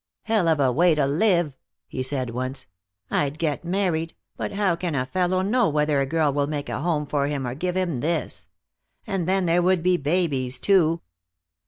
"Hell of a way to live," he said once. "I'd get married, but how can a fellow know whether a girl will make a home for him or give him this? And then there would be babies, too."